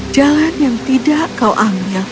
jalan yang tidak kau ambil